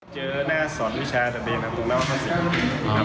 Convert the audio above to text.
เจอหน้าสอนวิชาตะเบียนตรงนอกมาสิ